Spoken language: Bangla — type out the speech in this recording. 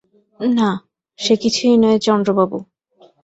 না, সে কিছুই নয় চন্দ্রবাবু!